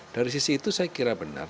dari sisi itu saya kira benar